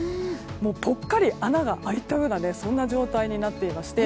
ぽっかり穴が開いたようなそんな状態になっていまして。